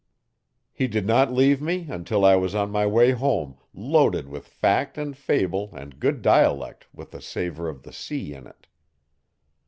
He did not leave me until I was on my way home loaded with fact and fable and good dialect with a savour of the sea in it.